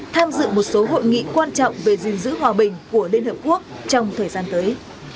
tham dự một số hội nghị quan trọng về gìn giữ hòa bình của liên hợp quốc trong thời gian tới